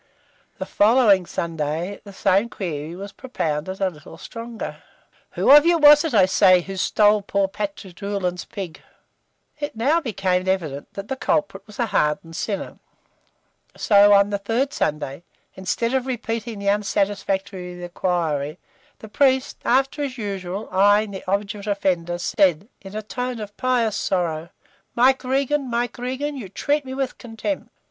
The following Sunday the same query was propounded a little stronger "Who of you was it, I say, who stole poor Pat Doolan's pig?" It now became evident that the culprit was a hardened sinner; so on the third Sunday, instead of repeating the unsatisfactory inquiry, the priest, after, as usual, eyeing the obdurate offender, said, in a tone of pious sorrow, "Mike Regan, Mike Regan, you treat me with contempt!"